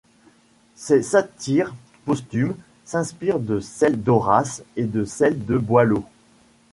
Ses satires, posthumes, s'inspirent de celles d'Horace et de celles de Boileau.